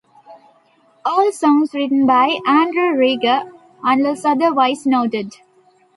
All songs written by Andrew Rieger unless otherwise noted.